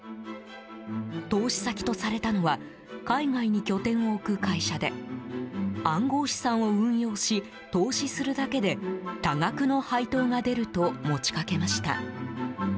投資先とされたのは海外に拠点を置く会社で暗号資産を運用し投資するだけで多額の配当が出ると持ちかけました。